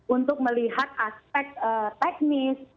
untuk melihat aspek teknis